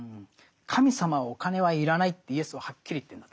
神様はお金は要らないってイエスははっきり言ってるんだと思うんですね。